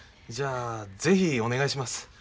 じゃあ是非お願いします。